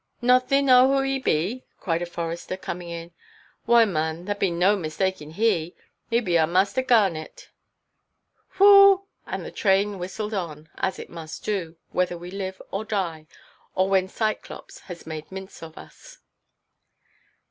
"Not thee knaw who he be?" cried a forester, coming in. "Whoy, marn, there be no mistaking he. He be our Muster Garnet." "Whew!" And the train whistled on, as it must do, whether we live or die, or when Cyclops has made mince of us.